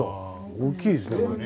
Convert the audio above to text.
大きいですねこれ。